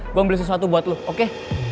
gue ambil sesuatu buat lu oke